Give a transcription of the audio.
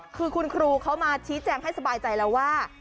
คือคุณครูเขามาชี้แจงให้สบายใจแล้วว่า